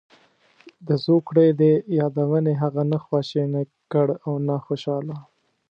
د زوکړې دې یادونې هغه نه خواشینی کړ او نه خوشاله.